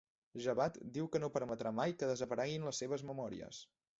Javad diu que no permetrà mai que desapareguin les seves memòries.